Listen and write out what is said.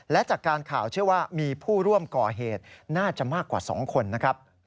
และจากการข่าวเชื่อว่ามีผู้ร่วมก่อเหตุน่าจะมากกว่า๒คนนะครับ